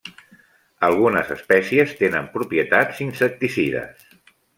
Algunes espècies tenen propietats insecticides.